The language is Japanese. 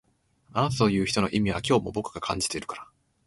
あなたという人の意味は今日も僕が感じてるから